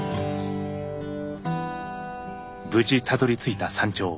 無事たどりついた山頂。